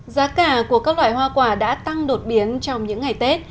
giá cả của các loại hoa quả đã tăng đột biến trong những ngày tết